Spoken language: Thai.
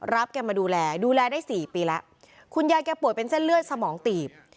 แกมาดูแลดูแลได้สี่ปีแล้วคุณยายแกป่วยเป็นเส้นเลือดสมองตีบ